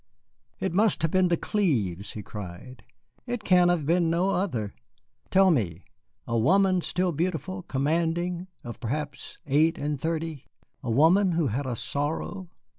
"It must have been the Clives," he cried; "it can have been no other. Tell me a woman still beautiful, commanding, of perhaps eight and thirty? A woman who had a sorrow?